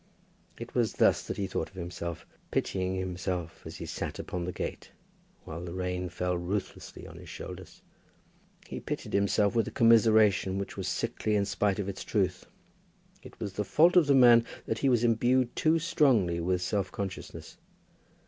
It was thus that he thought of himself, pitying himself, as he sat upon the gate, while the rain fell ruthlessly on his shoulders. He pitied himself with a commiseration that was sickly in spite of its truth. It was the fault of the man that he was imbued too strongly with self consciousness.